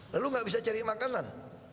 lalu nggak bisa cari makanan